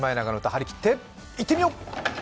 張り切っていってみよう！